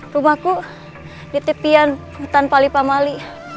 rumahku di tepian hutan palipamali